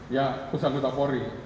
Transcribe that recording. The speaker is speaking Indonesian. ya pusat kota pori